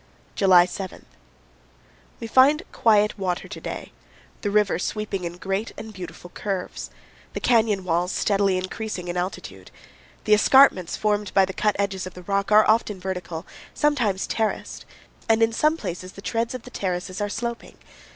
July 7. We find quiet water to day, the river sweeping in great and beautiful curves, the canyon walls steadily increasing in altitude. The escarpments formed by the cut edges of the rock are often vertical, sometimes terraced, and in some places the treads of the terraces 190 CANYONS OF THE COLORADO. are sloping.